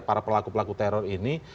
para pelaku pelaku teror ini